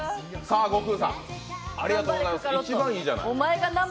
悟空さん、一番いいじゃない。